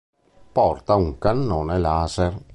Porta un cannone laser.